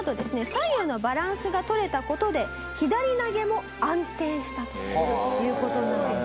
左右のバランスが取れた事で左投げも安定したという事なんです。